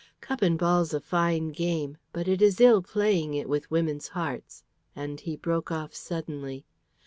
Cup and ball's a fine game, but it is ill playing it with women's hearts;" and he broke off suddenly.